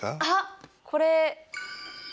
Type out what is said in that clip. あっこれ。